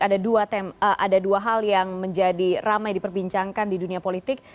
ada dua hal yang menjadi ramai diperbincangkan di dunia politik